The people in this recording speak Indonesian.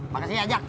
makasih ya ajak